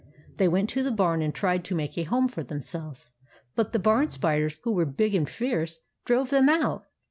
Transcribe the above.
They went to the barn and tried to make a home for themselves there ; but the barn spiders, who were big and fierce, drove them out.